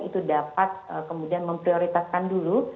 itu dapat kemudian memprioritaskan dulu